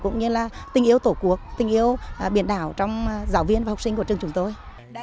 cũng như là tình yêu tổ quốc tình yêu biển đảo trong giáo viên và học sinh của trường chúng tôi